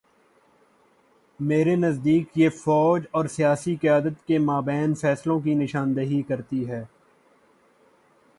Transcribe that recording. میرے نزدیک یہ فوج اور سیاسی قیادت کے مابین فاصلوں کی نشان دہی کرتی ہے۔